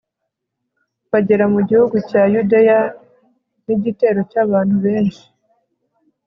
bagera mu gihugu cya yudeya n'igitero cy'abantu benshi